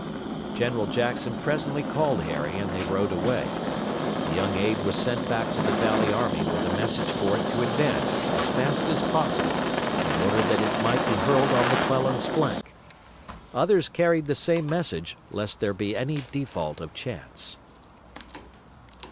General Jackson presently called Harry and they rode away. The young aide was sent back to the valley army with a message for it to advance as fast as possible in order that it might be hurled on McClellan's flank. Others carried the same message, lest there be any default of chance.